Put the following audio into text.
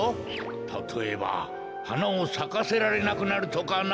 たとえばはなをさかせられなくなるとかな。